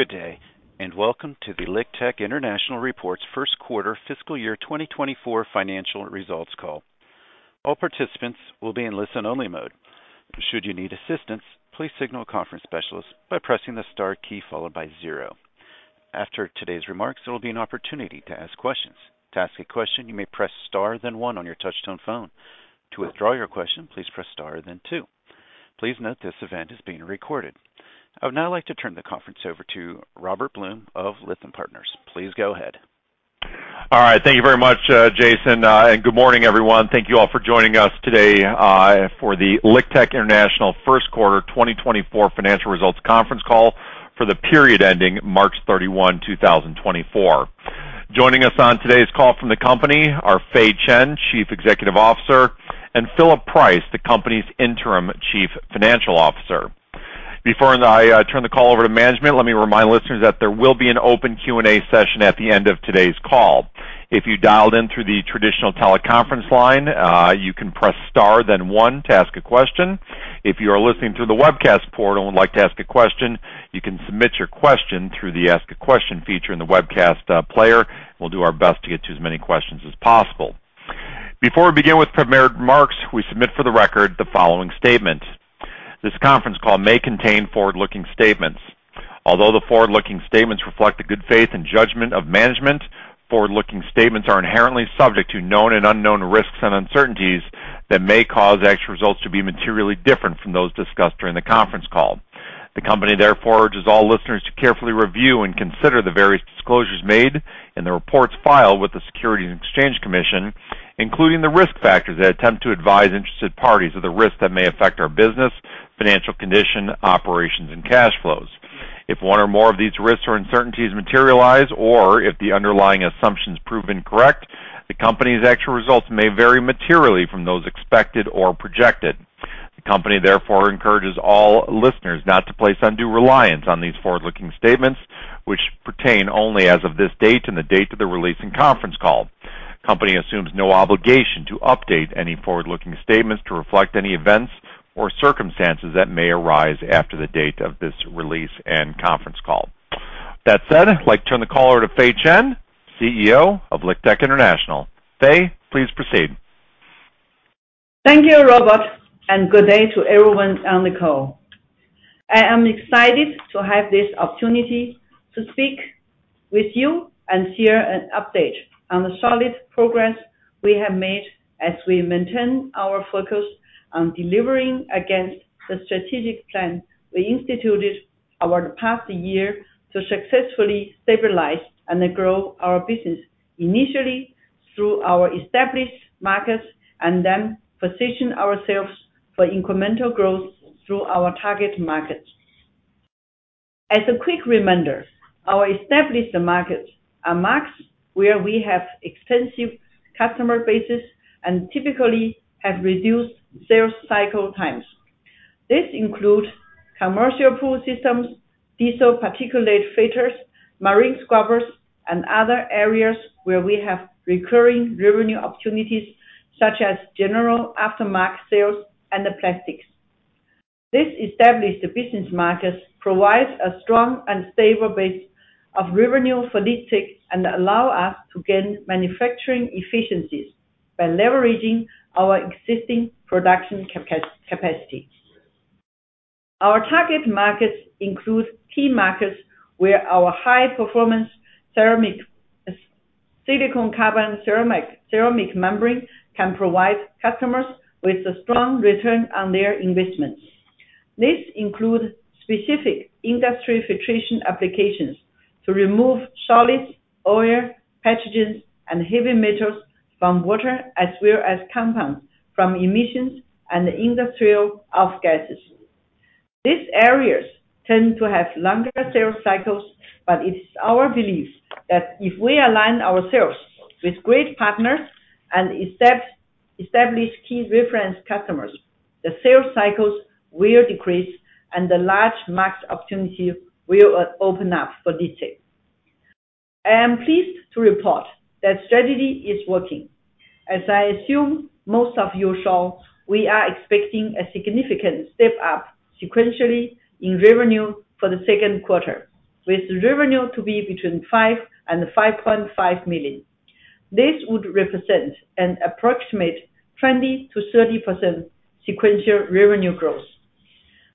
Good day, and welcome to the LiqTech International reports first quarter fiscal year 2024 financial results call. All participants will be in listen-only mode. Should you need assistance, please signal a conference specialist by pressing the star key followed by zero. After today's remarks, there will be an opportunity to ask questions. To ask a question, you may press star, then one on your touchtone phone. To withdraw your question, please press star, then two. Please note this event is being recorded. I would now like to turn the conference over to Robert Blum of Lytham Partners. Please go ahead. All right. Thank you very much, Jason, and good morning, everyone. Thank you all for joining us today for the LiqTech International first quarter 2024 financial results conference call for the period ending March 31, 2024. Joining us on today's call from the company are Fei Chen, Chief Executive Officer, and Phillip Price, the company's Interim Chief Financial Officer. Before I turn the call over to management, let me remind listeners that there will be an open Q&A session at the end of today's call. If you dialed in through the traditional teleconference line, you can press Star, then one to ask a question. If you are listening through the webcast portal and would like to ask a question, you can submit your question through the Ask a Question feature in the webcast player. We'll do our best to get to as many questions as possible. Before we begin with prepared remarks, we submit for the record the following statement: This conference call may contain forward-looking statements. Although the forward-looking statements reflect the good faith and judgment of management, forward-looking statements are inherently subject to known and unknown risks and uncertainties that may cause actual results to be materially different from those discussed during the conference call. The Company, therefore, urges all listeners to carefully review and consider the various disclosures made in the reports filed with the Securities and Exchange Commission, including the risk factors that attempt to advise interested parties of the risks that may affect our business, financial condition, operations, and cash flows. If one or more of these risks or uncertainties materialize, or if the underlying assumptions prove incorrect, the Company's actual results may vary materially from those expected or projected. The Company, therefore, encourages all listeners not to place undue reliance on these forward-looking statements, which pertain only as of this date and the date of the release and conference call. The Company assumes no obligation to update any forward-looking statements to reflect any events or circumstances that may arise after the date of this release and conference call. That said, I'd like to turn the call over to Fei Chen, CEO of LiqTech International. Fei, please proceed. Thank you, Robert, and good day to everyone on the call. I am excited to have this opportunity to speak with you and share an update on the solid progress we have made as we maintain our focus on delivering against the strategic plan we instituted over the past year to successfully stabilize and grow our business, initially through our established markets, and then position ourselves for incremental growth through our target markets. As a quick reminder, our established markets are markets where we have extensive customer bases and typically have reduced sales cycle times. This include commercial pool systems, diesel particulate filters, marine scrubbers, and other areas where we have recurring revenue opportunities, such as general aftermarket sales and the plastics. This established business markets provides a strong and stable base of revenue for LiqTech and allow us to gain manufacturing efficiencies by leveraging our existing production capacity. Our target markets include key markets where our high-performance ceramic silicon carbide ceramic membrane can provide customers with a strong return on their investments. This include specific industry filtration applications to remove solids, oil, pathogens, and heavy metals from water, as well as compounds from emissions and industrial off-gases. These areas tend to have longer sales cycles, but it's our belief that if we align ourselves with great partners and establish key reference customers, the sales cycles will decrease, and the large max opportunity will open up for detail. I am pleased to report that strategy is working. As I assume most of you saw, we are expecting a significant step-up sequentially in revenue for the second quarter, with revenue to be between $5 million and $5.5 million. This would represent an approximate 20%-30% sequential revenue growth.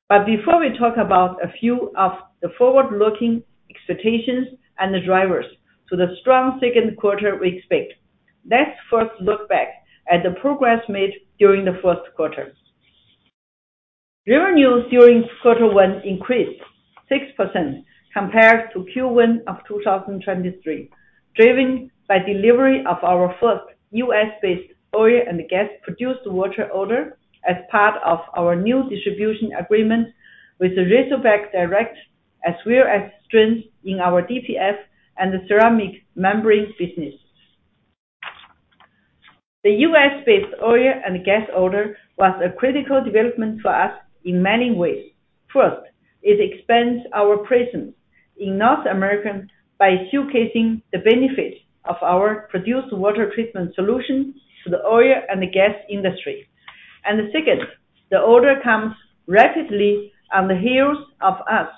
But before we talk about a few of the forward-looking expectations and the drivers to the strong second quarter we expect, let's first look back at the progress made during the first quarter. Revenue during quarter one increased 6% compared to Q1 of 2023, driven by delivery of our first U.S.-based oil and gas produced water order as part of our new distribution agreement with Razorback Direct, as well as strength in our DPF and the ceramic membrane business. The U.S.-based oil and gas order was a critical development for us in many ways. First, it expands our presence in North America by showcasing the benefits of our produced water treatment solutions to the oil and the gas industry.... The second, the order comes rapidly on the heels of us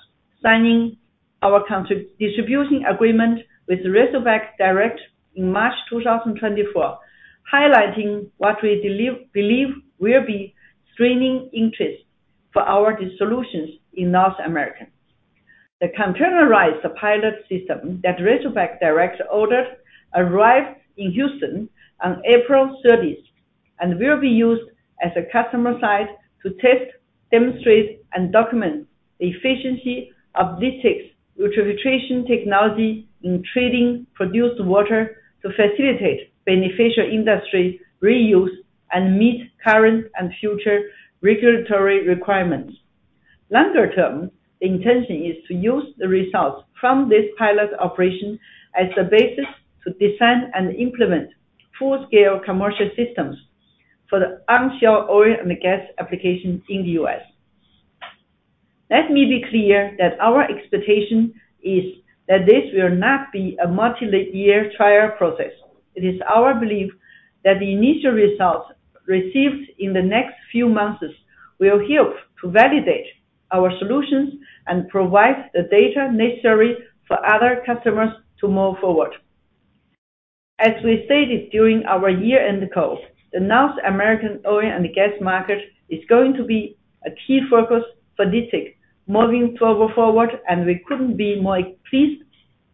signing our contract distribution agreement with Razorback Direct in March 2024, highlighting what we believe will be sustained interest for our solutions in North America. The containerized pilot system that Razorback Direct ordered arrived in Houston on April 30, and will be used at a customer site to test, demonstrate, and document the efficiency of LiqTech's ultrafiltration technology in treating produced water to facilitate beneficial industry reuse and meet current and future regulatory requirements. Longer term, the intention is to use the results from this pilot operation as the basis to design and implement full-scale commercial systems for the onshore oil and gas application in the U.S. Let me be clear that our expectation is that this will not be a multi-year trial process. It is our belief that the initial results received in the next few months will help to validate our solutions and provide the data necessary for other customers to move forward. As we stated during our year-end call, the North American oil and gas market is going to be a key focus for LiqTech moving forward, and we couldn't be more pleased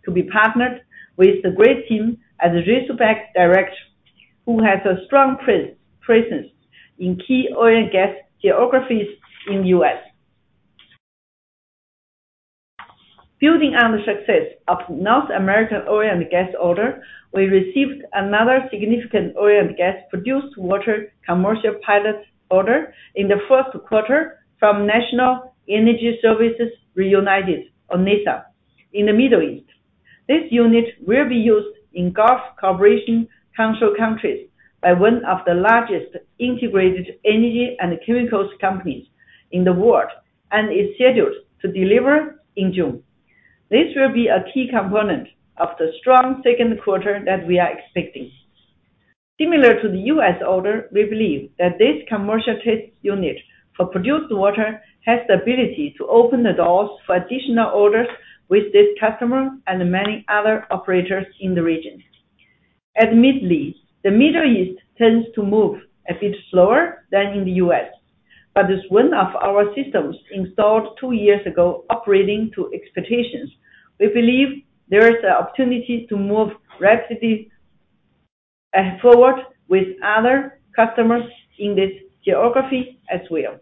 to be partnered with the great team at the Razorback Direct, who has a strong presence in key oil and gas geographies in the U.S. Building on the success of North American oil and gas order, we received another significant oil and gas produced water commercial pilot order in the first quarter from National Energy Services Reunited or NESR, in the Middle East. This unit will be used in Gulf Cooperation Council countries by one of the largest integrated energy and chemicals companies in the world, and is scheduled to deliver in June. This will be a key component of the strong second quarter that we are expecting. Similar to the U.S. order, we believe that this commercial test unit for produced water has the ability to open the doors for additional orders with this customer and many other operators in the region. Admittedly, the Middle East tends to move a bit slower than in the U.S., but with one of our systems installed two years ago operating to expectations, we believe there is an opportunity to move rapidly forward with other customers in this geography as well.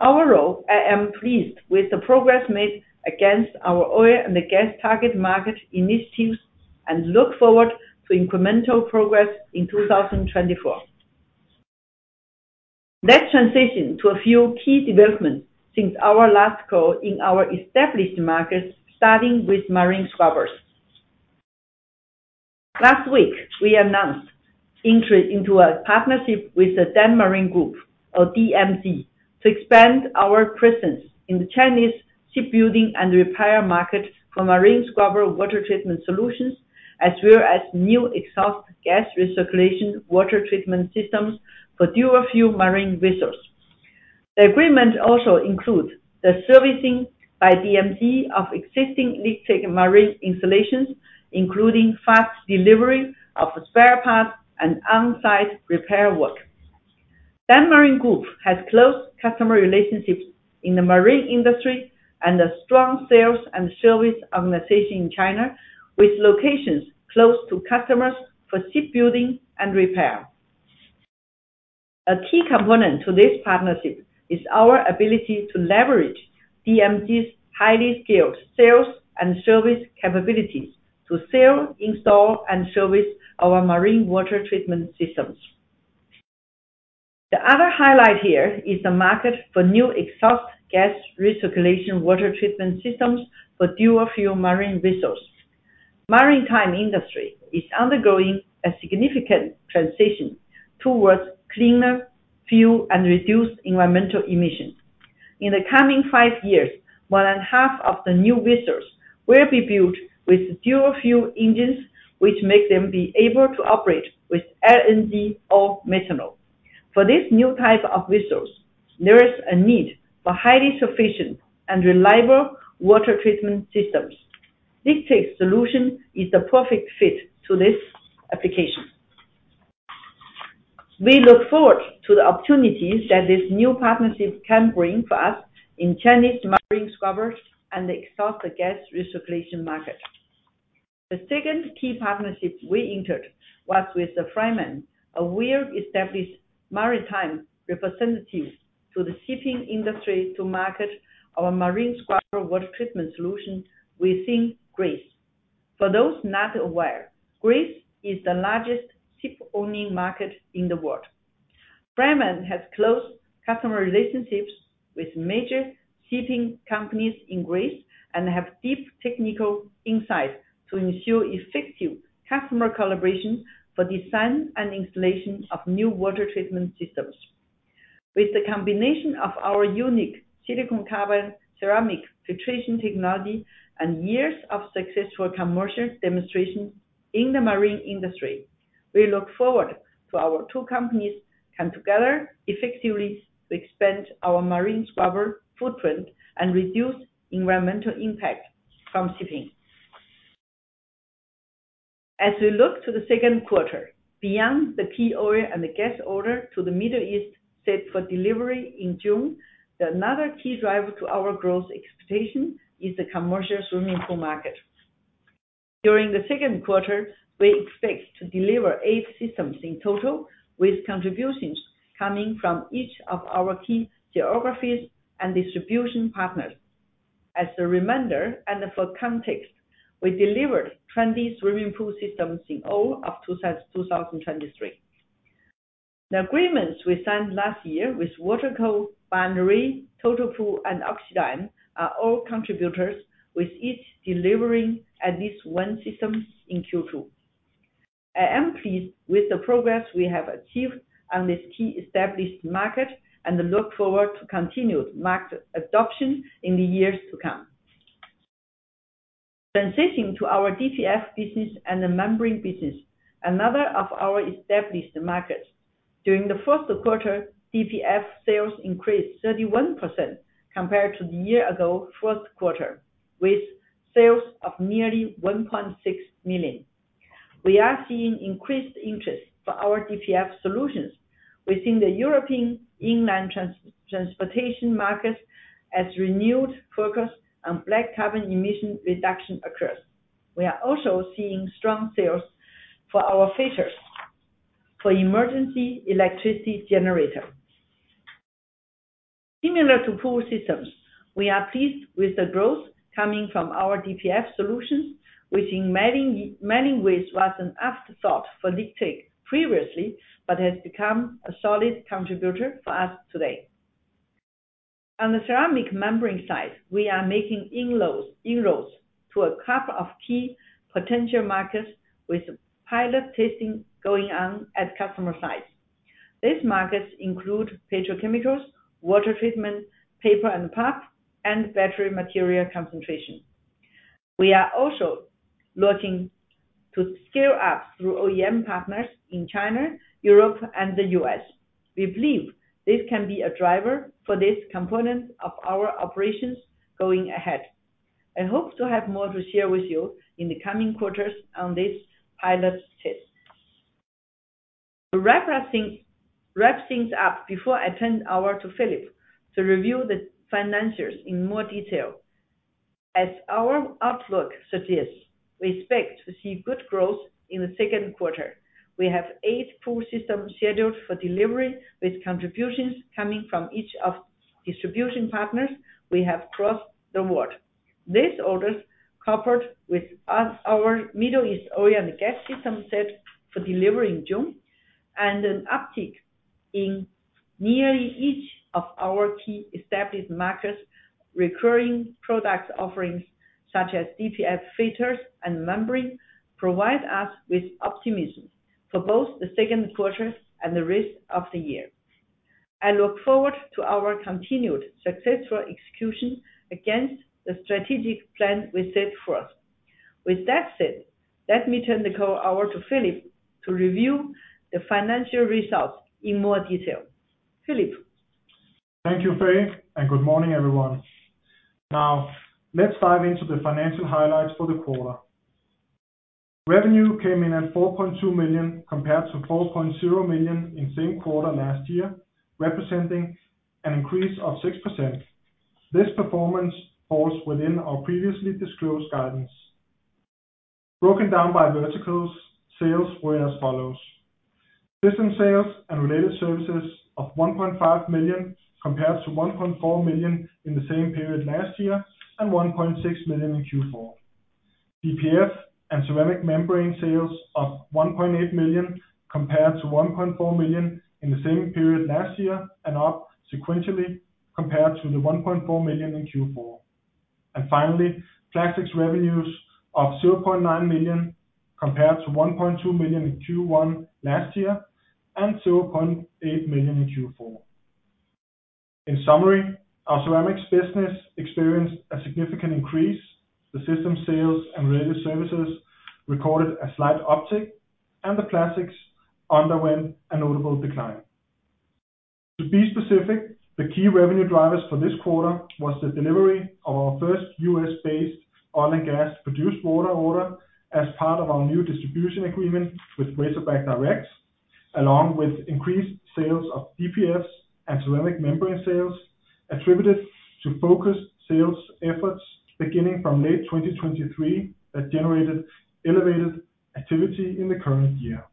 Overall, I am pleased with the progress made against our oil and gas target market initiatives, and look forward to incremental progress in 2024. Let's transition to a few key developments since our last call in our established markets, starting with marine scrubbers. Last week, we announced entry into a partnership with the Dan-Marine Group, or DMG, to expand our presence in the Chinese shipbuilding and repair market for marine scrubber water treatment solutions, as well as new exhaust gas recirculation water treatment systems for dual-fuel marine vessels. The agreement also includes the servicing by DMG of existing LiqTech marine installations, including fast delivery of spare parts and on-site repair work. Dan-Marine Group has close customer relationships in the marine industry and a strong sales and service organization in China, with locations close to customers for shipbuilding and repair. A key component to this partnership is our ability to leverage DMG's highly efficient sales and service capabilities to sell, install, and service our marine water treatment systems. The other highlight here is the market for new exhaust gas recirculation water treatment systems for dual-fuel marine vessels. Maritime industry is undergoing a significant transition towards cleaner fuel and reduced environmental emissions. In the coming five years, more than half of the new vessels will be built with dual-fuel engines, which make them be able to operate with LNG or methanol. For this new type of vessels, there is a need for highly efficient and reliable water treatment systems. LiqTech's solution is the perfect fit to this application. We look forward to the opportunities that this new partnership can bring for us in Chinese marine scrubbers and the exhaust gas recirculation market. The second key partnership we entered was with the Franman, a well-established maritime representative to the shipping industry, to market our marine scrubber water treatment solution within Greece. For those not aware, Greece is the largest shipowning market in the world. Franman has close customer relationships with major shipping companies in Greece, and have deep technical insight to ensure effective customer collaboration for design and installation of new water treatment systems. With the combination of our unique silicon carbide ceramic filtration technology and years of successful commercial demonstration in the marine industry, we look forward to our two companies come together effectively to expand our marine scrubber footprint and reduce environmental impact from shipping. As we look to the second quarter, beyond the key oil and gas order to the Middle East, set for delivery in June, another key driver to our growth expectation is the commercial swimming pool market. During the second quarter, we expect to deliver eight systems in total, with contributions coming from each of our key geographies and distribution partners. As a reminder, and for context, we delivered 20 swimming pool systems in all of 2023. The agreements we signed last year with Waterco, Behncke, Total Pool, and Oxidine are all contributors, with each delivering at least one system in Q2. I am pleased with the progress we have achieved on this key established market, and I look forward to continued market adoption in the years to come. Transitioning to our DPF business and the membrane business, another of our established markets. During the first quarter, DPF sales increased 31% compared to the year ago first quarter, with sales of nearly $1.6 million. We are seeing increased interest for our DPF solutions within the European inland transportation market, as renewed focus on black carbon emission reduction occurs. We are also seeing strong sales for our filters for emergency electricity generator. Similar to pool systems, we are pleased with the growth coming from our DPF solutions, which in many, many ways was an afterthought for LiqTech previously, but has become a solid contributor for us today. On the ceramic membrane side, we are making inroads, inroads to a couple of key potential markets with pilot testing going on at customer sites. These markets include petrochemicals, water treatment, paper and pulp, and battery material concentration. We are also looking to scale up through OEM partners in China, Europe, and the US. We believe this can be a driver for this component of our operations going ahead. I hope to have more to share with you in the coming quarters on this pilot test. To wrap things up before I turn over to Philip to review the financials in more detail. As our outlook suggests, we expect to see good growth in the second quarter. We have eight pool systems scheduled for delivery, with contributions coming from each of distribution partners we have across the world. These orders, coupled with our Middle East oil and gas system set for delivery in June, and an uptick in nearly each of our key established markets, recurring product offerings, such as DPF filters and membrane, provide us with optimism for both the second quarter and the rest of the year. I look forward to our continued successful execution against the strategic plan we set for us. With that said, let me turn the call over to Philip to review the financial results in more detail. Philip? Thank you, Fei, and good morning, everyone. Now, let's dive into the financial highlights for the quarter. Revenue came in at $4.2 million, compared to $4.0 million in same quarter last year, representing an increase of 6%. This performance falls within our previously disclosed guidance. Broken down by verticals, sales were as follows: system sales and related services of $1.5 million, compared to $1.4 million in the same period last year, and $1.6 million in Q4. DPF and ceramic membrane sales of $1.8 million, compared to $1.4 million in the same period last year, and up sequentially compared to the $1.4 million in Q4. And finally, plastics revenues of $0.9 million, compared to $1.2 million in Q1 last year, and $0.8 million in Q4. In summary, our ceramics business experienced a significant increase. The system sales and related services recorded a slight uptick, and the plastics underwent a notable decline. To be specific, the key revenue drivers for this quarter was the delivery of our first US-based oil and gas produced water order as part of our new distribution agreement with Razorback Direct, along with increased sales of DPF and ceramic membrane sales, attributed to focused sales efforts beginning from late 2023, that generated elevated activity in the current year.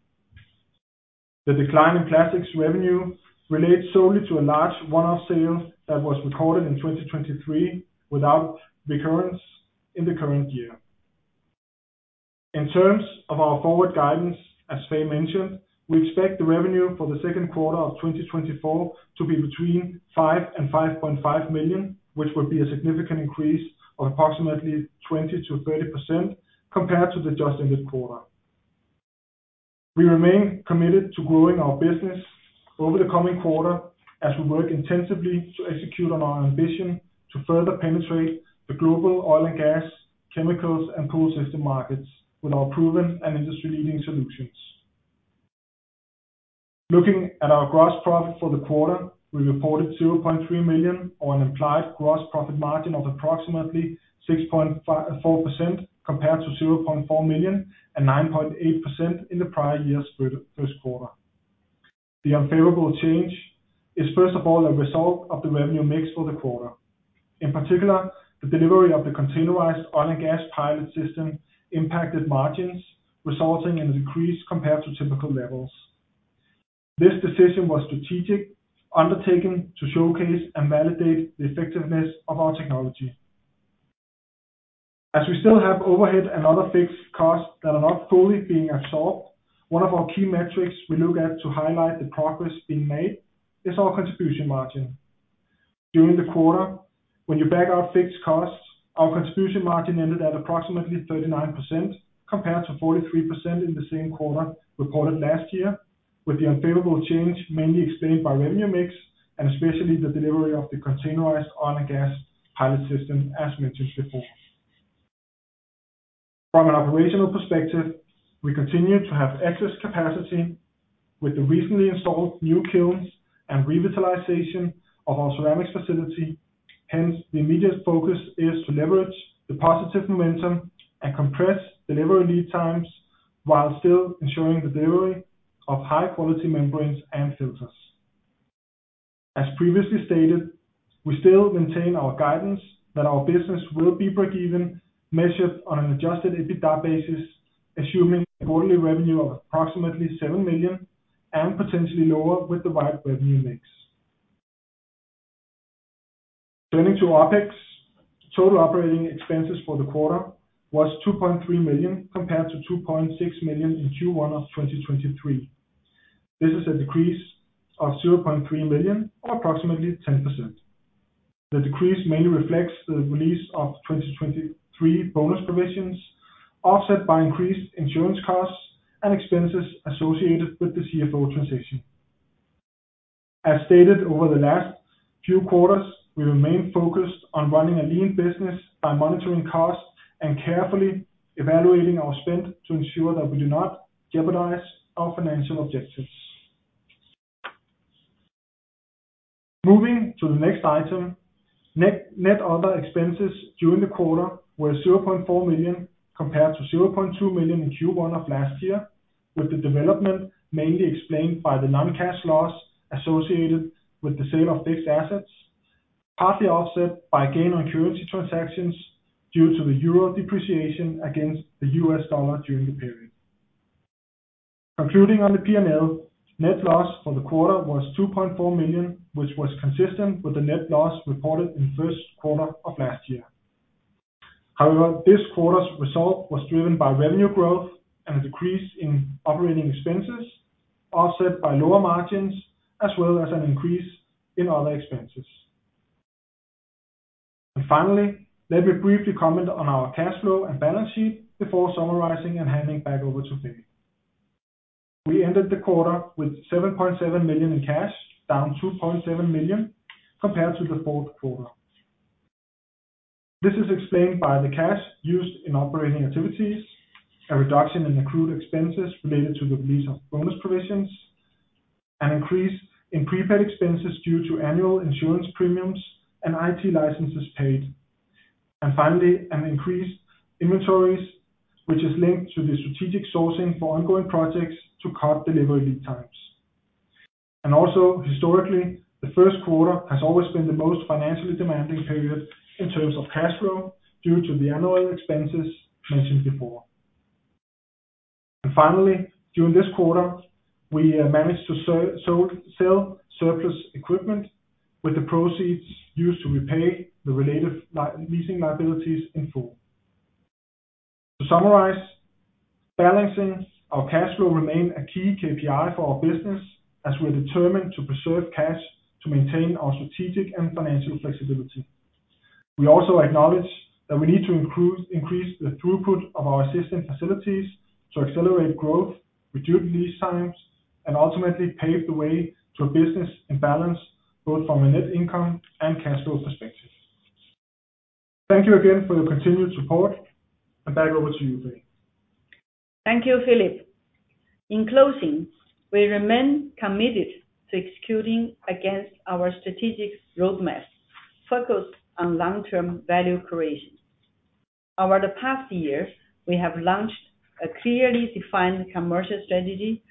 The decline in plastics revenue relates solely to a large one-off sale that was recorded in 2023, without recurrence in the current year. In terms of our forward guidance, as Fei mentioned, we expect the revenue for the second quarter of 2024 to be between $5-$5.5 million, which would be a significant increase of approximately 20%-30% compared to the just ended quarter. We remain committed to growing our business over the coming quarter, as we work intensively to execute on our ambition to further penetrate the global oil and gas, chemicals, and pool system markets with our proven and industry-leading solutions. Looking at our gross profit for the quarter, we reported $0.3 million, or an implied gross profit margin of approximately 6.4%, compared to $0.4 million and 9.8% in the prior year's first quarter. The unfavorable change is, first of all, a result of the revenue mix for the quarter. In particular, the delivery of the containerized oil and gas pilot system impacted margins, resulting in a decrease compared to typical levels. This decision was strategic, undertaken to showcase and validate the effectiveness of our technology. As we still have overhead and other fixed costs that are not fully being absorbed, one of our key metrics we look at to highlight the progress being made is our contribution margin. During the quarter, when you back out fixed costs, our contribution margin ended at approximately 39%, compared to 43% in the same quarter reported last year, with the unfavorable change mainly explained by revenue mix, and especially the delivery of the containerized oil and gas pilot system, as mentioned before. From an operational perspective, we continue to have excess capacity with the recently installed new kilns and revitalization of our ceramics facility. Hence, the immediate focus is to leverage the positive momentum and compress delivery lead times, while still ensuring the delivery of high-quality membranes and filters. As previously stated, we still maintain our guidance that our business will be breakeven, measured on an adjusted EBITDA basis, assuming a quarterly revenue of approximately $7 million, and potentially lower with the wide revenue mix. Turning to OpEx, total operating expenses for the quarter was $2.3 million, compared to $2.6 million in Q1 of 2023. This is a decrease of $0.3 million, or approximately 10%. The decrease mainly reflects the release of 2023 bonus provisions, offset by increased insurance costs and expenses associated with the CFO transition. As stated over the last few quarters, we remain focused on running a lean business by monitoring costs and carefully evaluating our spend to ensure that we do not jeopardize our financial objectives. Moving to the next item, net other expenses during the quarter were $0.4 million, compared to $0.2 million in Q1 of last year, with the development mainly explained by the non-cash loss associated with the sale of fixed assets, partly offset by gain on currency transactions due to the euro depreciation against the US dollar during the period. Concluding on the P&L, net loss for the quarter was $2.4 million, which was consistent with the net loss reported in the first quarter of last year. However, this quarter's result was driven by revenue growth and a decrease in operating expenses, offset by lower margins, as well as an increase in other expenses. Finally, let me briefly comment on our cash flow and balance sheet before summarizing and handing back over to Fei. We ended the quarter with $7.7 million in cash, down $2.7 million compared to the fourth quarter. This is explained by the cash used in operating activities, a reduction in accrued expenses related to the release of bonus provisions, an increase in prepaid expenses due to annual insurance premiums and IT licenses paid. Finally, an increase in inventories, which is linked to the strategic sourcing for ongoing projects to cut delivery lead times. Also, historically, the first quarter has always been the most financially demanding period in terms of cash flow, due to the annual expenses mentioned before. Finally, during this quarter, we managed to sell surplus equipment, with the proceeds used to repay the related leasing liabilities in full. To summarize, balancing our cash flow remain a key KPI for our business, as we are determined to preserve cash to maintain our strategic and financial flexibility. We also acknowledge that we need to improve, increase the throughput of our existing facilities to accelerate growth, reduce lead times, and ultimately pave the way to a business and balance, both from a net income and cash flow perspective. Thank you again for your continued support, and back over to you, Fei. Thank you, Philip. In closing, we remain committed to executing against our strategic roadmap, focused on long-term value creation. Over the past years, we have launched a clearly defined commercial strategy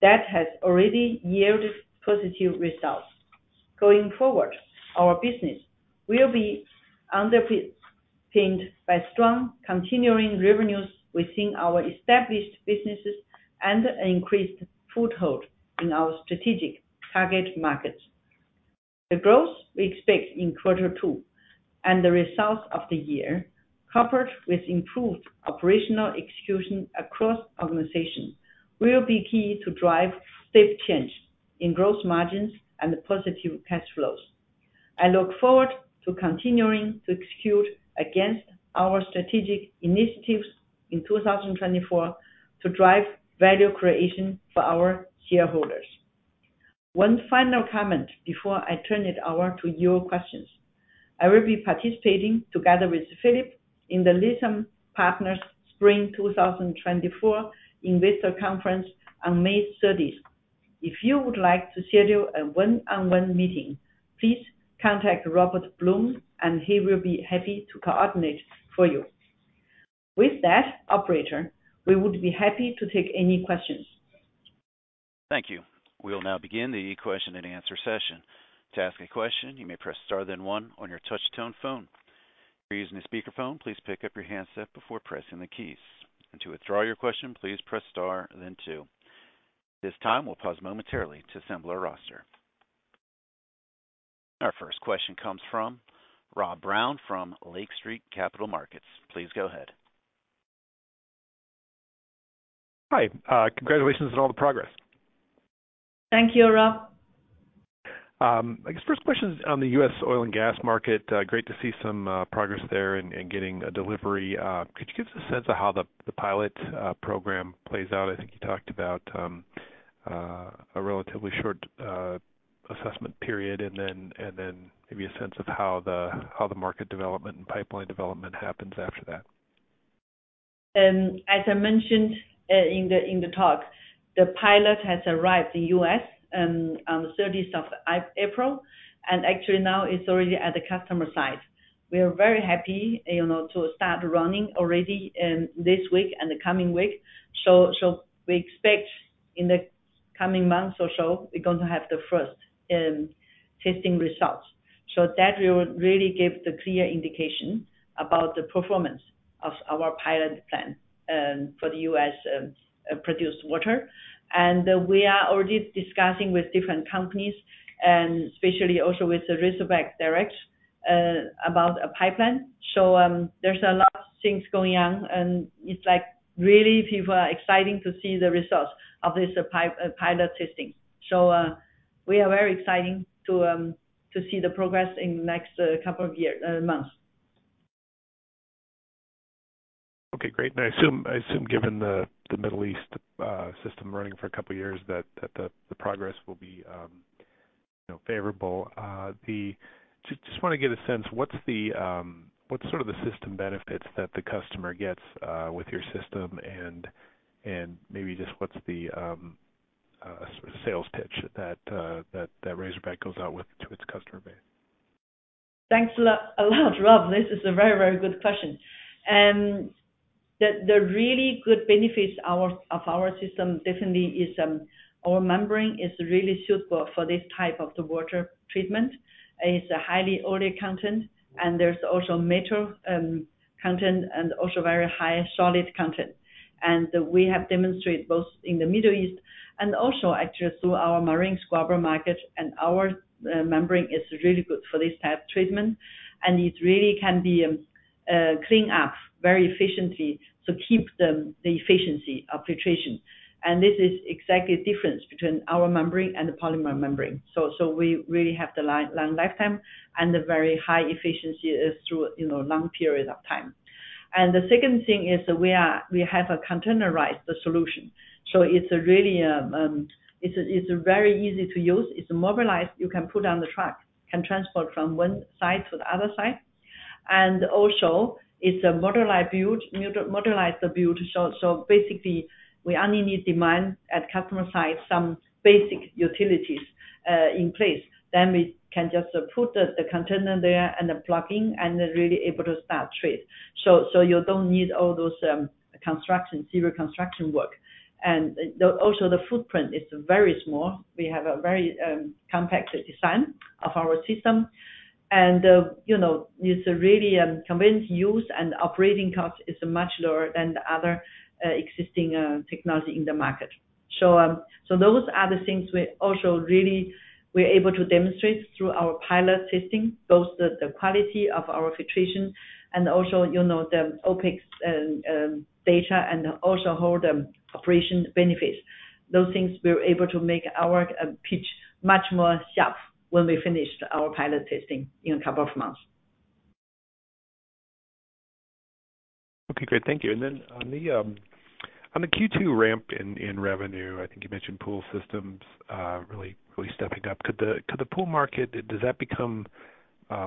that has already yielded positive results. Going forward, our business will be underpinned by strong continuing revenues within our established businesses and an increased foothold in our strategic target markets. The growth we expect in quarter two and the results of the year, coupled with improved operational execution across the organization, will be key to drive safe change in gross margins and positive cash flows. I look forward to continuing to execute against our strategic initiatives in 2024, to drive value creation for our shareholders. One final comment before I turn it over to your questions. I will be participating together with Philip, in the Lytham Partners Spring 2024 Investor Conference on May thirtieth. If you would like to schedule a one-on-one meeting, please contact Robert Bloom, and he will be happy to coordinate for you. With that, operator, we would be happy to take any questions. Thank you. We'll now begin the question and answer session. To ask a question, you may press star then one on your touchtone phone. If you're using a speakerphone, please pick up your handset before pressing the keys. To withdraw your question, please press star then two. This time, we'll pause momentarily to assemble our roster. Our first question comes from Rob Brown from Lake Street Capital Markets. Please go ahead. Hi, congratulations on all the progress. Thank you, Rob. I guess first question is on the U.S. oil and gas market. Great to see some progress there in getting a delivery. Could you give us a sense of how the pilot program plays out? I think you talked about a relatively short assessment period, and then maybe a sense of how the market development and pipeline development happens after that. As I mentioned, in the talk, the pilot has arrived in the U.S. on the thirtieth of April, and actually now is already at the customer site. We are very happy, you know, to start running already in this week and the coming week. So, we expect in the coming months or so, we're going to have the first testing results. So that will really give the clear indication about the performance of our pilot plan for the U.S. produced water. And we are already discussing with different companies, and especially also with the Razorback Direct about a pipeline. So, there's a lot of things going on, and it's like really people are exciting to see the results of this pilot testing. We are very exciting to see the progress in the next couple of years, months. Okay, great. And I assume, given the Middle East system running for a couple of years, that the progress will be, you know, favorable. Just wanna get a sense, what's sort of the system benefits that the customer gets with your system? And maybe just what's the sort of sales pitch that Razorback goes out with to its customer base? Thanks a lot, Rob. This is a very, very good question. The really good benefits of our system definitely is our membrane is really suitable for this type of the water treatment. It's a highly oil content, and there's also metal content and also very high solid content. And we have demonstrated both in the Middle East and also actually through our marine scrubber market, and our membrane is really good for this type of treatment, and it really can be clean up very efficiently to keep the efficiency of filtration. And this is exactly the difference between our membrane and the polymer membrane. So we really have the long lifetime, and the very high efficiency is through, you know, long periods of time. And the second thing is we have a containerized solution, so it's really very easy to use. It's mobilized. You can put on the truck, can transport from one site to the other site. And also it's a modular build, so basically, we only need demand at customer site, some basic utilities in place. Then we can just put the container there and the plugging, and they're really able to start trade. So you don't need all those construction, civil construction work. And also the footprint is very small. We have a very compact design of our system, and you know, it's really convenient use and operating cost is much lower than the other existing technology in the market. So those are the things we also really, we're able to demonstrate through our pilot testing, both the quality of our filtration and also, you know, the OpEx data, and also how the operation benefits. Those things, we're able to make our pitch much more sharp when we finish our pilot testing in a couple of months. Okay, great. Thank you. And then on the Q2 ramp in revenue, I think you mentioned pool systems really, really stepping up. Could the pool market become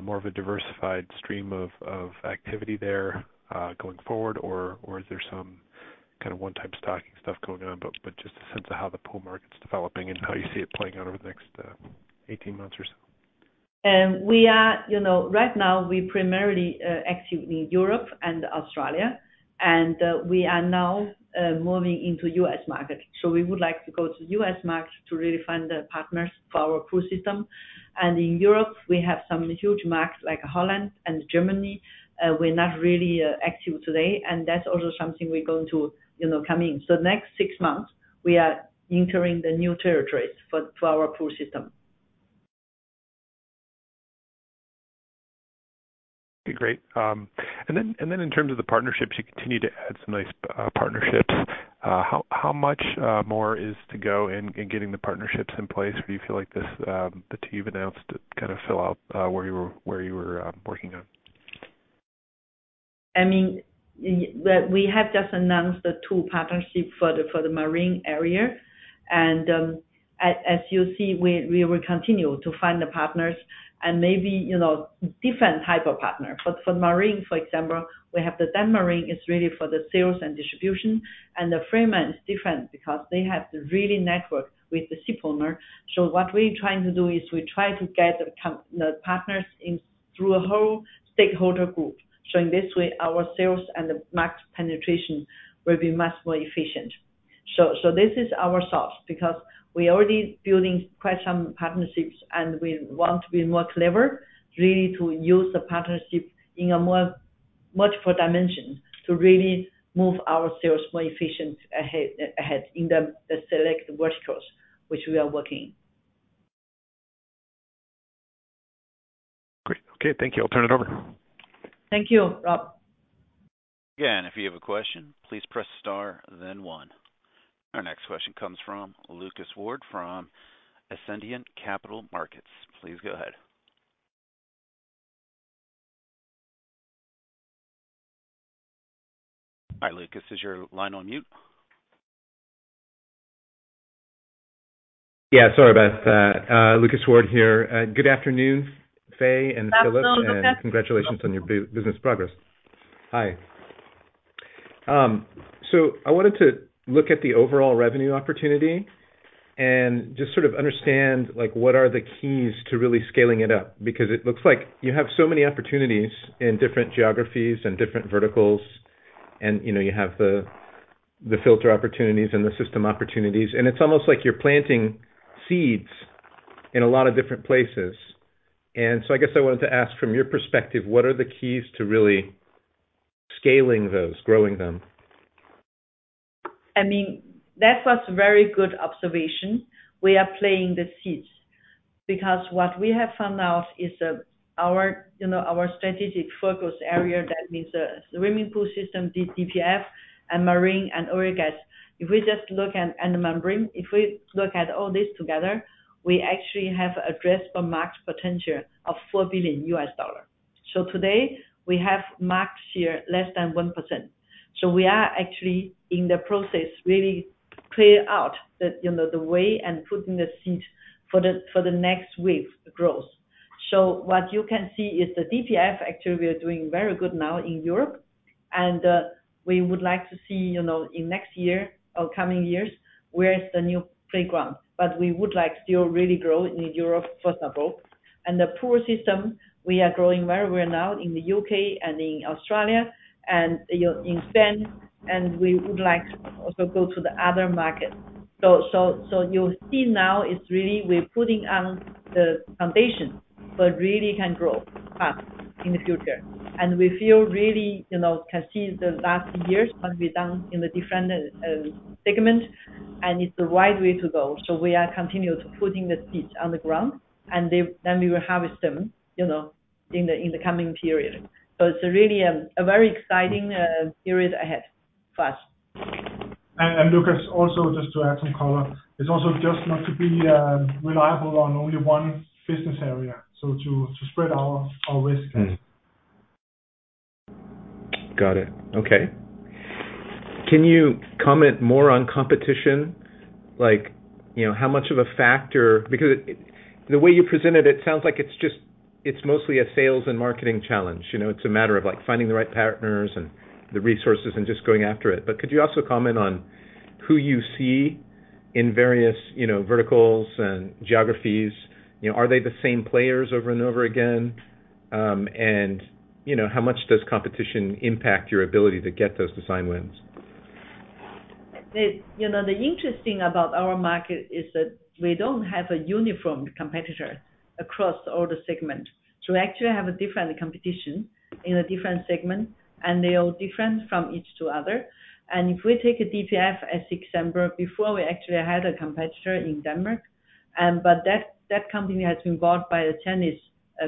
more of a diversified stream of activity there going forward? Or is there some kind of one-time stocking stuff going on? But just a sense of how the pool market's developing and how you see it playing out over the next eighteen months or so. You know, right now, we primarily active in Europe and Australia, and we are now moving into U.S. market. So we would like to go to U.S. market to really find the partners for our pool system. And in Europe, we have some huge markets like Holland and Germany. We're not really active today, and that's also something we're going to, you know, come in. So the next six months, we are entering the new territories for our pool system. Great. And then, and then in terms of the partnerships, you continue to add some nice partnerships. How much more is to go in getting the partnerships in place? Do you feel like this, the two you've announced kind of fill out, where you were working on? I mean, well, we have just announced the two partnerships for the, for the marine area. And, as you see, we will continue to find the partners and maybe, you know, different type of partners. But for marine, for example, we have the Dan-Marine, is really for the sales and distribution, and the Franman is different because they have the real network with the shipowner. So what we're trying to do is we try to get the partners in through a whole stakeholder group, so in this way, our sales and the max penetration will be much more efficient. This is our source, because we already building quite some partnerships, and we want to be more clever, really to use the partnership in a more multiple dimension to really move our sales more efficient ahead in the select verticals which we are working. Great. Okay, thank you. I'll turn it over. Thank you, Rob. Again, if you have a question, please press star then one. Our next question comes from Lucas Ward, from Ascendiant Capital Markets. Please go ahead. Hi, Lucas, is your line on mute? Yeah, sorry about that. Lucas Ward here. Good afternoon, Faye and Philip. Congratulations on your business progress. Hi. So I wanted to look at the overall revenue opportunity and just sort of understand, like, what are the keys to really scaling it up? Because it looks like you have so many opportunities in different geographies and different verticals, and, you know, you have the, the filter opportunities and the system opportunities, and it's almost like you're planting seeds in a lot of different places. So I guess I wanted to ask, from your perspective, what are the keys to really scaling those, growing them? I mean, that was very good observation. We are planting the seeds because what we have found out is that our, you know, our strategic focus area, that means the swimming pool system, DPF, and marine and oil gas. If we just look at, and the membrane, if we look at all this together, we actually have addressed the max potential of $4 billion. So today, we have maxed here less than 1%. So we are actually in the process, really clear out the, you know, the way and putting the seeds for the, for the next wave of growth. So what you can see is the DPF, actually, we are doing very good now in Europe, and we would like to see, you know, in next year or coming years, where is the new playground. But we would like still really grow in Europe, first of all. And the pool system, we are growing very well now in the UK and in Australia and, you know, in Spain, and we would like to also go to the other markets. So you see now, it's really we're putting on the foundation, but really can grow fast in the future. And we feel really, you know, can see the last years what we've done in the different segment, and it's the right way to go. So we are continued putting the seeds on the ground, and then we will harvest them, you know, in the coming period. So it's really a very exciting period ahead for us. And Lucas, also, just to add some color, it's also just not to be reliable on only one business area, so to spread our risk. Mm-hmm. Got it. Okay. Can you comment more on competition? Like, you know, how much of a factor... Because it, the way you presented, it sounds like it's just- it's mostly a sales and marketing challenge. You know, it's a matter of, like, finding the right partners and the resources and just going after it. But could you also comment on who you see in various, you know, verticals and geographies? You know, are they the same players over and over again? And, you know, how much does competition impact your ability to get those design wins? You know, the interesting about our market is that we don't have a uniform competitor across all the segment. So we actually have a different competition in a different segment, and they are different from each to other. And if we take a DPF, as example, before we actually had a competitor in Denmark, but that company has been bought by a Chinese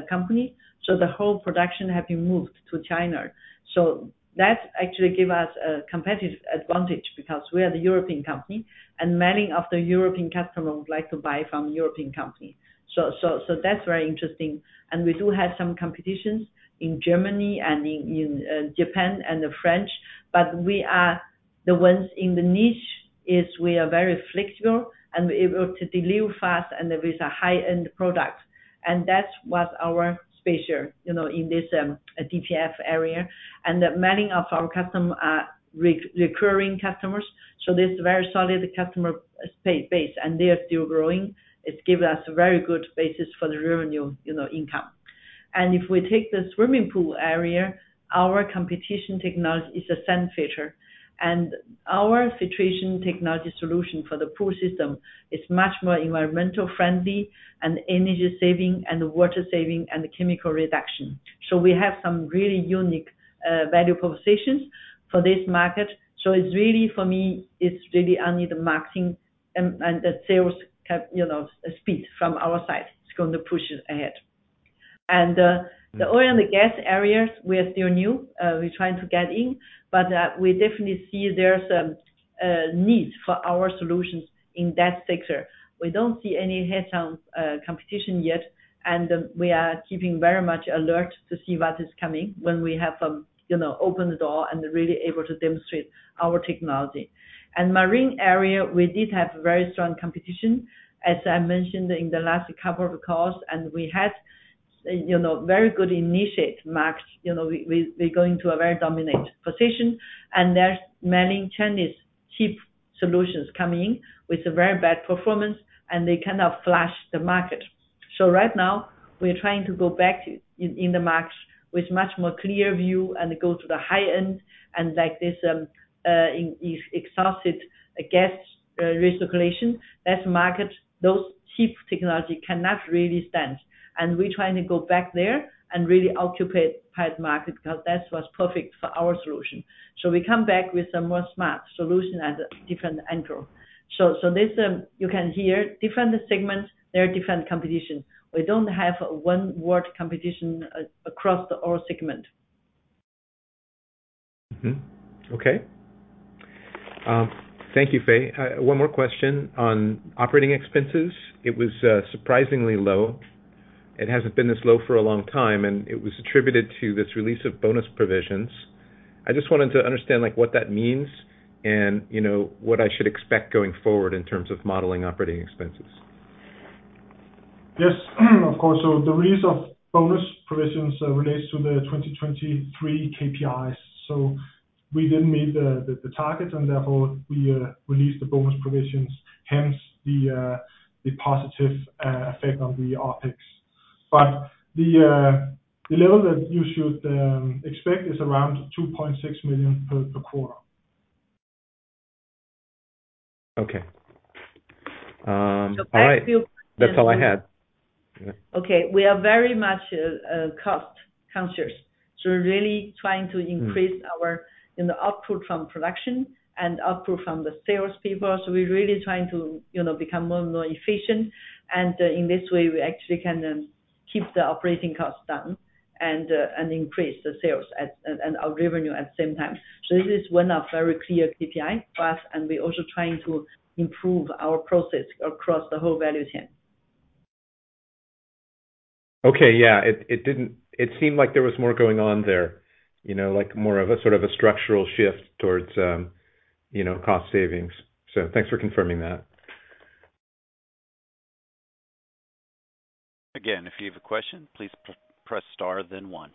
company, so the whole production have been moved to China. So that actually give us a competitive advantage because we are the European company, and many of the European customers would like to buy from European company. So that's very interesting, and we do have some competitors in Germany and in Japan and France, but we are the ones in the niche, is we are very flexible and we are able to deliver fast, and there is a high-end product. And that's what our space here, you know, in this DPF area. And many of our customers are recurring customers, so there's a very solid customer base, and they are still growing. It's given us a very good basis for the revenue, you know, income. And if we take the swimming pool area, our competition technology is a sand filter. And our filtration technology solution for the pool system is much more environmentally friendly and energy saving and water saving and chemical reduction. So we have some really unique value propositions for this market. So it's really, for me, it's really only the marketing and the sales have, you know, a speed from our side. It's going to push it ahead. And the oil and gas areas, we are still new, we're trying to get in, but we definitely see there's a need for our solutions in that sector. We don't see any head-on competition yet, and we are keeping very much alert to see what is coming when we have, you know, opened the door and really able to demonstrate our technology. And marine area, we did have very strong competition, as I mentioned in the last couple of calls, and we had, you know, very good initial markets. You know, we're going to a very dominant position, and there's many Chinese cheap solutions coming in with a very bad performance, and they cannot flood the market. So right now, we're trying to go back in the market with much more clear view and go to the high end, and like this, exhaust gas recirculation. That market, those cheap technology cannot really stand, and we're trying to go back there and really occupy part market, because that was perfect for our solution. So we come back with a more smart solution at a different angle. So this, you can hear different segments, there are different competition. We don't have one word competition across the all segment. Okay. Thank you, Fei. One more question on operating expenses. It was surprisingly low. It hasn't been this low for a long time, and it was attributed to this release of bonus provisions. I just wanted to understand, like, what that means and, you know, what I should expect going forward in terms of modeling operating expenses. Yes, of course. So the release of bonus provisions relates to the 2023 KPIs. So we didn't meet the target, and therefore, we released the bonus provisions, hence the positive effect on the OpEx. But the level that you should expect is around $2.6 million per quarter. Okay. All right. That's all I had. Okay. We are very much, cost conscious, so we're really trying to increase our, you know, output from production and output from the sales people. So we're really trying to, you know, become more and more efficient, and in this way, we actually can keep the operating costs down and increase the sales and our revenue at the same time. So this is one of very clear KPI for us, and we're also trying to improve our process across the whole value chain. Okay, yeah. It didn't. It seemed like there was more going on there, you know, like more of a sort of a structural shift towards, you know, cost savings. So thanks for confirming that. Again, if you have a question, please press star then one.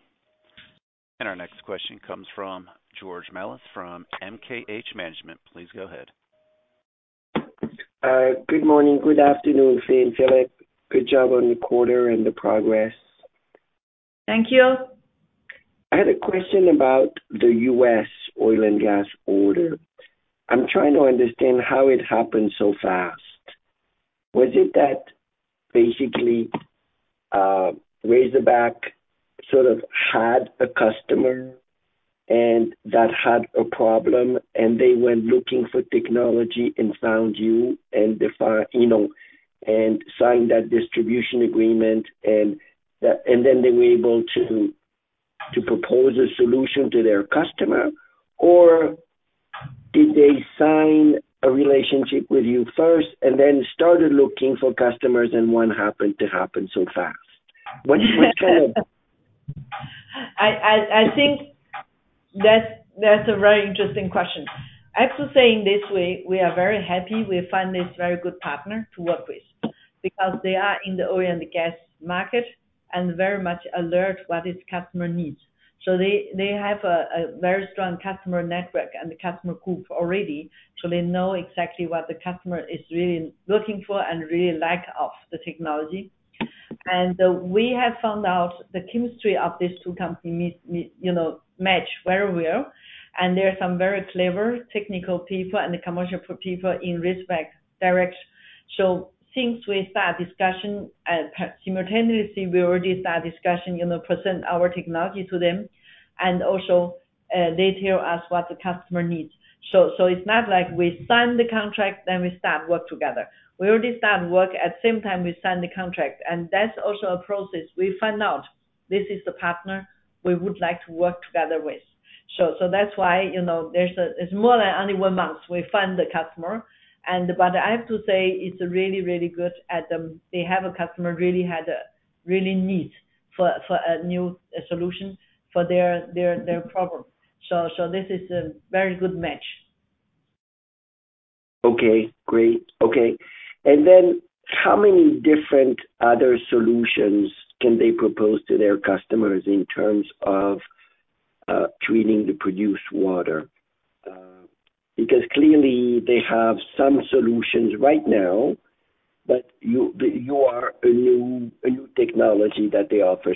And our next question comes from George Melas from MKH Management. Please go ahead. Good morning, good afternoon, Fei and Philip. Good job on the quarter and the progress. Thank you. I had a question about the US oil and gas order. I'm trying to understand how it happened so fast. Was it that basically, Razorback sort of had a customer and that had a problem, and they went looking for technology and found you and you know, and signed that distribution agreement, and then they were able to propose a solution to their customer? Or did they sign a relationship with you first and then started looking for customers, and one happened to happen so fast? What kind of- I think that's a very interesting question. I have to say, in this way, we are very happy we find this very good partner to work with, because they are in the oil and gas market and very much alert what its customer needs. So they have a very strong customer network and customer group already, so they know exactly what the customer is really looking for and really lack of the technology. And we have found out the chemistry of these two companies, you know, match very well, and there are some very clever technical people and the commercial people in respect direction. So since we start discussion, simultaneously, we already start discussion, you know, present our technology to them, and also they tell us what the customer needs. So, it's not like we sign the contract, then we start work together. We already start work at the same time we sign the contract, and that's also a process. We find out this is the partner we would like to work together with. So, that's why, you know, there's—it's more than only one month we find the customer. But I have to say, it's really, really good at. They have a customer who really had a really need for a new solution for their problem. So, this is a very good match. Okay, great. Okay. And then how many different other solutions can they propose to their customers in terms of treating the produced water? Because clearly they have some solutions right now, but you are a new technology that they offer.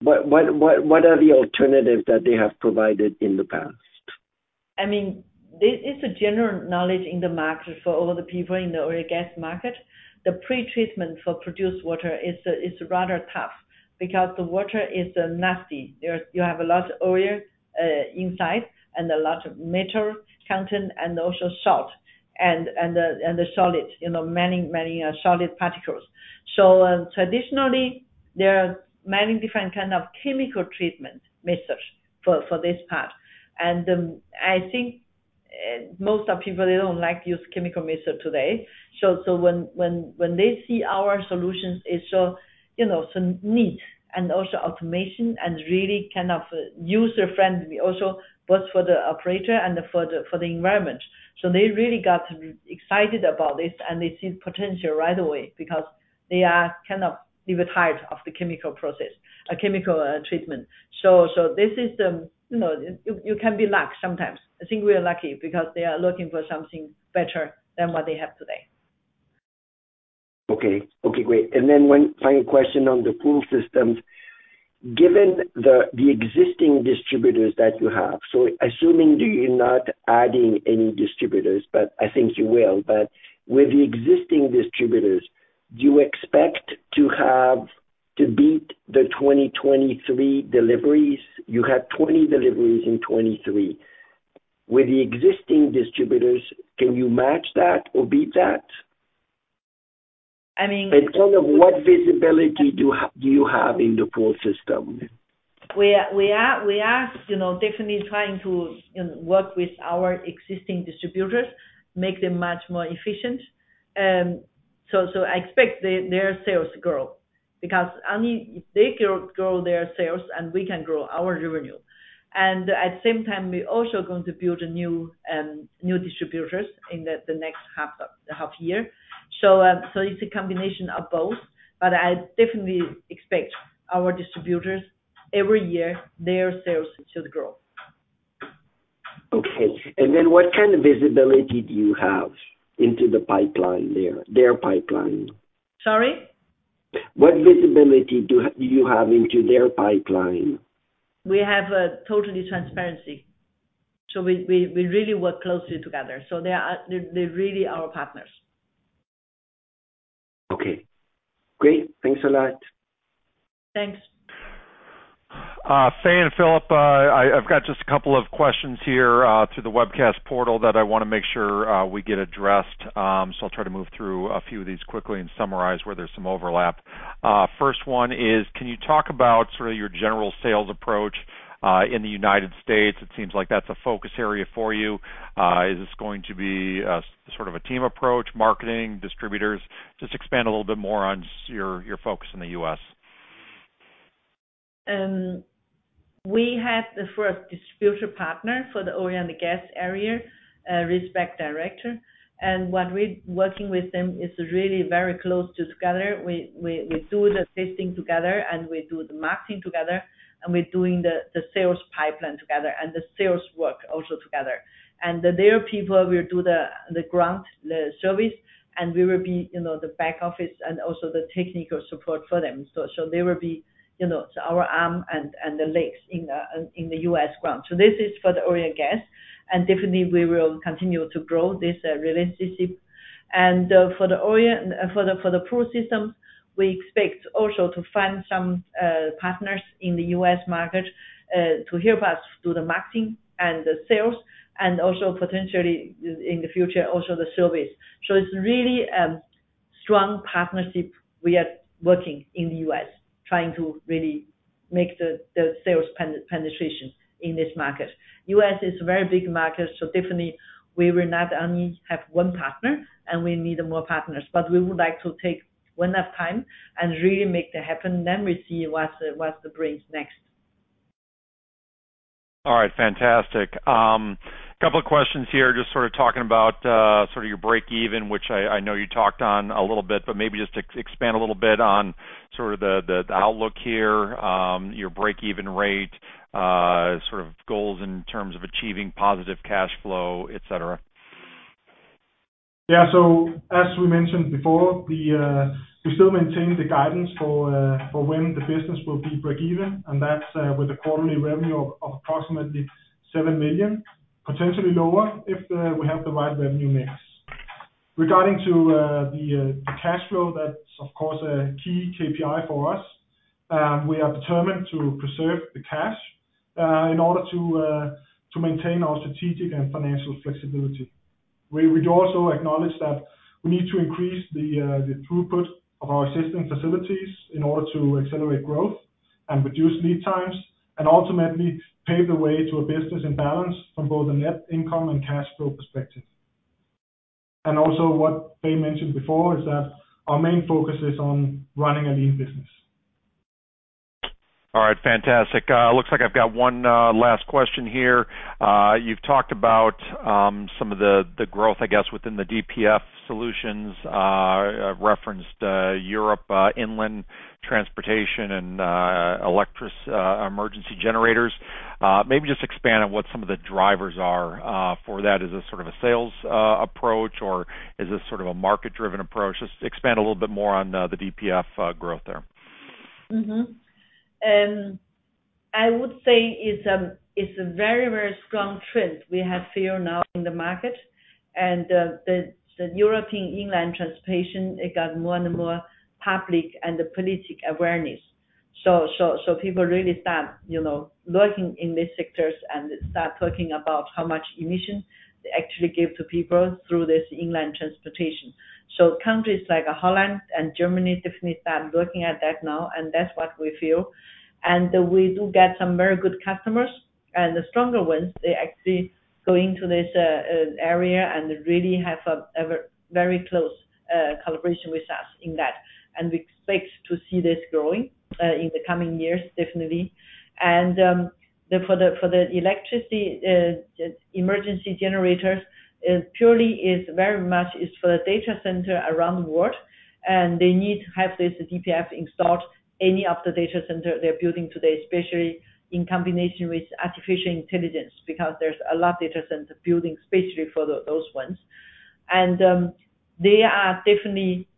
What are the alternatives that they have provided in the past? This is a general knowledge in the market for all the people in the oil and gas market. The pretreatment for produced water is rather tough because the water is nasty. There you have a lot of oil inside, and a lot of metal content, and also salt and the solids, you know, many, many solid particles. So, traditionally, there are many different kind of chemical treatment methods for this part. And, I think, most of people, they don't like to use chemical method today. So, when they see our solutions, it's so, you know, so neat and also automation and really kind of user-friendly, also both for the operator and for the environment. So they really got excited about this, and they see potential right away because they are kind of tired of the chemical process, chemical treatment. So this is, you know, you can be lucky sometimes. I think we are lucky because they are looking for something better than what they have today. Okay. Okay, great. And then one final question on the pool systems. Given the existing distributors that you have, so assuming you're not adding any distributors, but I think you will, but with the existing distributors, do you expect to have to beat the 2023 deliveries? You had 20 deliveries in 2023. With the existing distributors, can you match that or beat that? Kind of what visibility do you have in the pool system? We are, you know, definitely trying to, you know, work with our existing distributors, make them much more efficient. So, so I expect their sales to grow, because, I mean, if they grow their sales, and we can grow our revenue. And at the same time, we're also going to build a new distributors in the next half year. So, so it's a combination of both, but I definitely expect our distributors, every year, their sales to grow. Okay. And then what kind of visibility do you have into the pipeline, their pipeline? Sorry? What visibility do you have into their pipeline? We have total transparency. So we really work closely together, so they're really our partners. Okay, great. Thanks a lot. Thanks. Fei and Philip, I've got just a couple of questions here through the webcast portal that I wanna make sure we get addressed. So I'll try to move through a few of these quickly and summarize where there's some overlap. First one is, can you talk about sort of your general sales approach in the United States? It seems like that's a focus area for you. Is this going to be a sort of a team approach, marketing, distributors? Just expand a little bit more on your, your focus in the US. We have the first distributor partner for the oil and the gas area, Razorback Direct. And what we're working with them is really very close together. We do the testing together, and we do the marketing together, and we're doing the sales pipeline together, and the sales work also together. And their people will do the ground service, and we will be, you know, the back office and also the technical support for them. So they will be, you know, our arm and the legs in the US ground. So this is for the oil and gas, and definitely we will continue to grow this relationship. For the pool system, we expect also to find some partners in the US market to help us do the marketing and the sales, and also potentially in the future, also the service. So it's really strong partnership we are working in the US, trying to really make the sales penetration in this market. US is a very big market, so definitely we will not only have one partner, and we need more partners, but we would like to take enough time and really make that happen, then we see what that brings next. All right, fantastic. Couple of questions here, just sort of talking about sort of your breakeven, which I know you talked on a little bit, but maybe just expand a little bit on sort of the outlook here, your breakeven rate, sort of goals in terms of achieving positive cash flow, et cetera. Yeah. So as we mentioned before, we still maintain the guidance for when the business will be breakeven, and that's with a quarterly revenue of approximately $7 million, potentially lower, if we have the right revenue mix. Regarding to the cash flow, that's of course a key KPI for us. We are determined to preserve the cash in order to maintain our strategic and financial flexibility. We'd also acknowledge that we need to increase the throughput of our existing facilities in order to accelerate growth and reduce lead times, and ultimately pave the way to a business in balance from both a net income and cash flow perspective. And also, what Fei mentioned before is that our main focus is on running a lean business. All right, fantastic. Looks like I've got one last question here. You've talked about some of the growth, I guess, within the DPF solutions, referenced Europe, inland transportation and electric emergency generators. Maybe just expand on what some of the drivers are for that. Is it sort of a sales approach, or is this sort of a market-driven approach? Just expand a little bit more on the DPF growth there. I would say it's a, it's a very, very strong trend we have feel now in the market, and the European inland transportation. It got more and more public and the political awareness. So people really start, you know, looking in these sectors and start talking about how much emission they actually give to people through this inland transportation. So countries like Holland and Germany definitely start looking at that now, and that's what we feel. And we do get some very good customers, and the stronger ones, they actually go into this area and really have a very close collaboration with us in that. And we expect to see this growing in the coming years, definitely. For the electricity emergency generators, it purely is very much for the data centers around the world, and they need to have this DPF installed in any of the data centers they're building today, especially in combination with artificial intelligence, because there's a lot of data center buildings, especially for those ones. They are definitely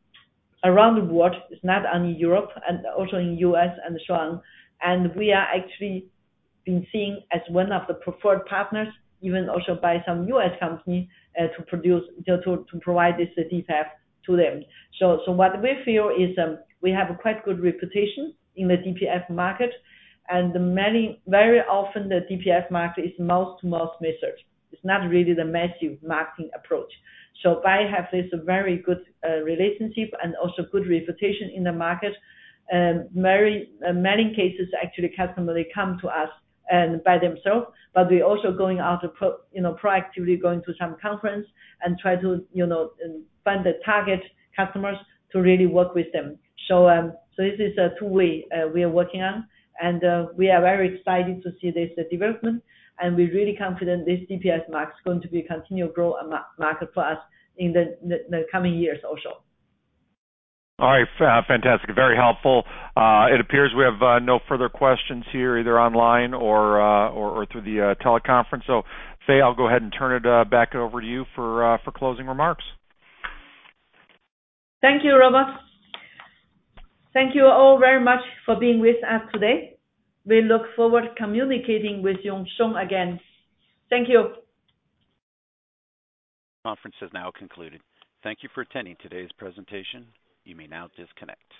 around the world, it's not only Europe, and also in the U.S. and so on. We are actually being seen as one of the preferred partners, even also by some U.S. companies, to produce, to provide this DPF to them. So what we feel is, we have a quite good reputation in the DPF market, and many very often, the DPF market is word-of-mouth research. It's not really the massive marketing approach. So we have this very good relationship and also good reputation in the market, very many cases, actually, customers they come to us, and by themselves, but we're also going out to you know, proactively going to some conference and try to, you know, find the target customers to really work with them. So, so this is a two-way, we are working on, and, we are very excited to see this development, and we're really confident this DPF market is going to be a continued growth market for us in the coming years also. All right, fantastic. Very helpful. It appears we have no further questions here, either online or through the teleconference. So, Fei, I'll go ahead and turn it back over to you for closing remarks. Thank you, Robert. Thank you all very much for being with us today. We look forward to communicating with you soon again. Thank you. Conference has now concluded. Thank you for attending today's presentation. You may now disconnect.